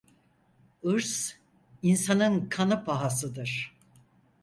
Irz insanın kanı pahasıdır.